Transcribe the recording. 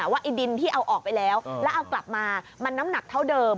ไอ้ดินที่เอาออกไปแล้วแล้วเอากลับมามันน้ำหนักเท่าเดิม